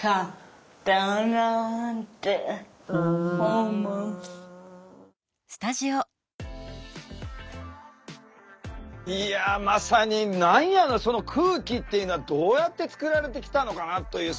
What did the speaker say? あったのがいやまさに何やろその空気っていうのはどうやって作られてきたのかなという。